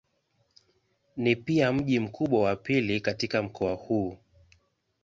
Ni pia mji mkubwa wa pili katika mkoa huu.